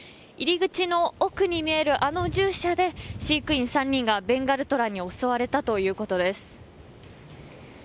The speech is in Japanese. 入口の奥に見える、あの獣舎で飼育員３人がベンガルトラに襲われたということです。